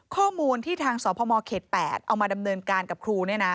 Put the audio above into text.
ข้อมูลที่ทางสพมเขต๘เอามาดำเนินการกับครู